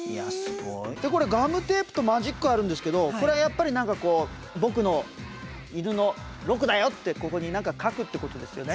これガムテープとマジックあるんですけどこれはやっぱり何かこう「僕の犬のろくだよ」ってここに何か書くってことですよね。